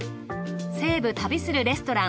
西武旅するレストラン